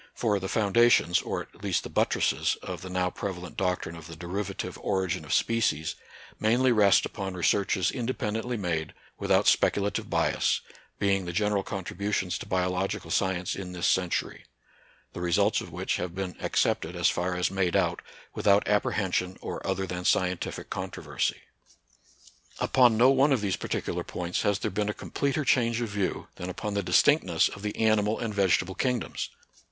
For the foundations, or at least the buttresses, of the now prevalent doctrine of the derivative origin of species mainly rest upon researches inde pendently made, without speculative bias, being the general contributions to biological science in this century ; the results of which have been accepted as far as made out without apprehen sion or other than scientific controversy. Upon no one of these particular points has there been a completer change of view than upon the distinctness of the animal and vege table kingdoms.